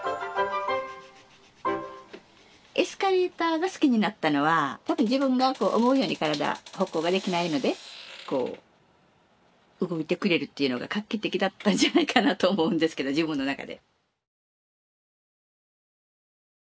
エスカレーターが好きになったのは多分自分がこう思うように体歩行ができないのでこう動いてくれるっていうのが画期的だったんじゃないかなと思うんですけど自分の中で。